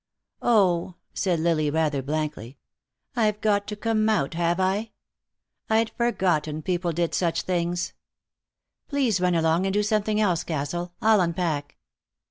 "Oh!" said Lily, rather blankly. "I've got to come out, have I? I'd forgotten people did such things. Please run along and do something else, Castle. I'll unpack."